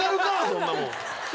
そんなもん。